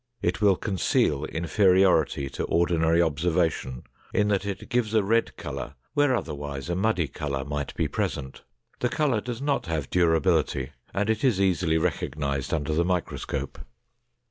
It will conceal inferiority to ordinary observation in that it gives a red color where otherwise a muddy color might be present. The color does not have durability, and it is easily recognized under the microscope.